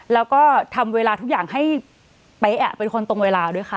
แล้วก็ทำเวลาทุกอย่างให้เป๊ะเป็นคนตรงเวลาด้วยค่ะ